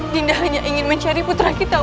dinda hanya ingin mencari putra kita